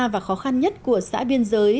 và khó khăn nhất của xã biên giới